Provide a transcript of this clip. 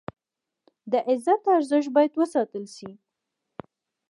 د عزت ارزښت باید وساتل شي.